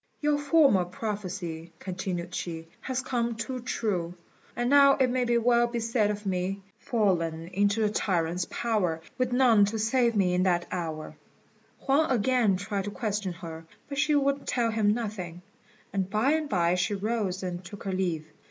"Your former prophecy," continued she, "has come too true; and now it may well be said of me 'Fallen into the tyrant's power, With none to save me in that hour.'" Huang again tried to question her, but she would tell him nothing; and by and by she rose and took her leave.